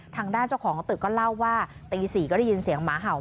ทางด้านเจ้าของตึกก็เล่าว่าตี๔ก็ได้ยินเสียงหมาเห่า